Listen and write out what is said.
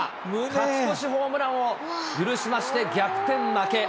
勝ち越しホームランを許しまして、逆転負け。